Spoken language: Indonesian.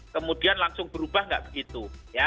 kemudian langsung berubah nggak begitu